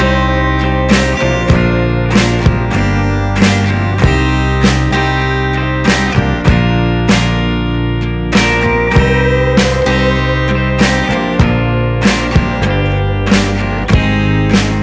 adit bangun adit